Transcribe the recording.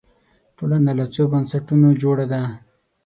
ټولنه له څو بنسټونو جوړه ده